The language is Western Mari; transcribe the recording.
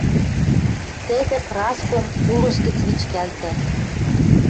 Тӹдӹ Праском пулыш гӹц вичкӓлтӓ